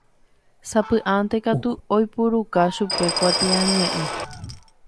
Sapy'ánte katu oipuruka chupe kuatiañe'ẽ.